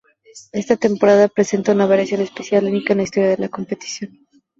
Esta temporada presenta una variación especial única en la historia de la competición.